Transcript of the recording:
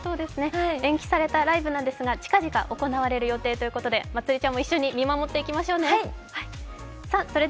延期されたライブなんですが近々行われる予定ということでまつりちゃんも一緒に見守っていきましょうね。